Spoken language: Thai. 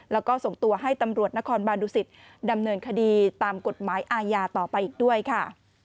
แล้วก็ส่งตัวให้ตำรวจนครบานดุสิตดำเนินคดีตามกฎหมายอาญาต่อไปอีกด้วยค่ะ